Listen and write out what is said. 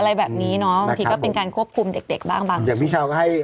แล้วเขาก็ทำ